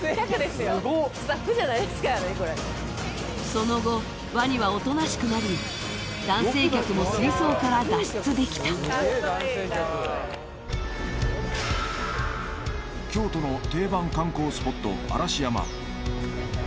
その後ワニはおとなしくなり男性客も水槽から脱出できた京都の定番観光スポット嵐山